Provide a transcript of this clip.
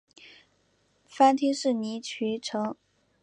藩厅是尼崎城。